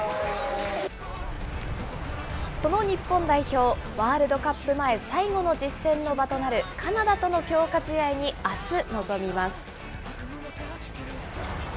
その日本代表、ワールドカップ前最後の実戦の場となるカナダとの強化試合にあす臨みます。